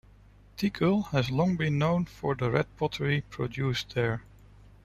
Ticul has long been known for the red pottery produced there.